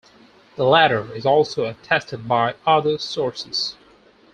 The latter is also attested by other sources.